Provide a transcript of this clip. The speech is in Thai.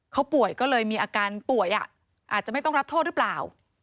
เขาป่วยก็เลยมีอาการป่วยอาจจะไม่ต้องรับโทษหรือเปล่า